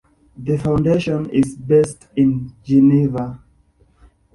The foundation is based in Geneva.